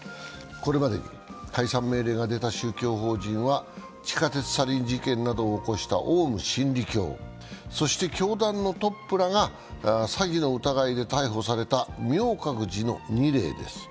これまでに解散命令が出た宗教法人は地下鉄サリン事件などを起こしたオウム真理教そして教団のトップらが詐欺の疑いで逮捕された明覚寺の２例です。